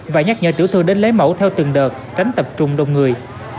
và nhắc nhở tiểu thương đến lấy mẫu theo từng đợt tránh tập trung đông người